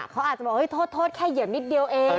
เขาอาจจะบอกโทษแค่เหยียบนิดเดียวเอง